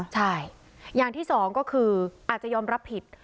ใช่อย่างที่สองก็คืออาจจะยอมรับผิด